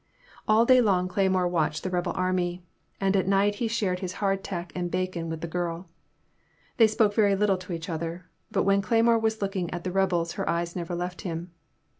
All day long Cleymore watched the rebel army, and at night he shared his hard tack and bacon with the girl. They spoke very little to each other, but when Cleymore was looking at the rebels her eyes never left him.